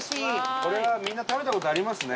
これはみんな食べた事ありますね。